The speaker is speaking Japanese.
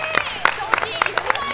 賞金１万円